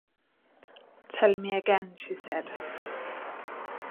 "Tell me again," she said.